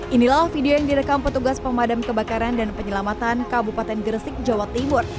inilah video yang direkam petugas pemadam kebakaran dan penyelamatan kabupaten gresik jawa timur